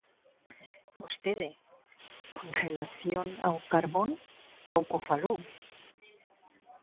Vostede, con relación ao carbón, pouco falou.